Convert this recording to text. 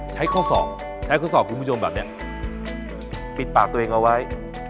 ใช้ข้อสอบใช้ข้อสอบคุณผู้ชมแบบนี้ปิดปากตัวเองเอาไว้